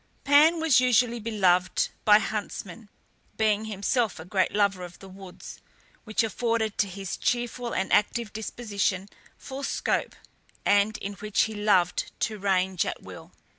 Pan was equally beloved by huntsmen, being himself a great lover of the woods, which afforded to his cheerful and active disposition full scope, and in which he loved to range at will.